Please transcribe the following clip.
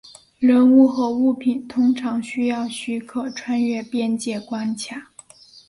人口和物品通常需要许可穿越边界关卡。